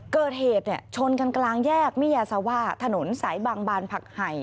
เกิดเหตุชนกันกลางแยกมิยาซาว่าถนนสายบางบานผักไห่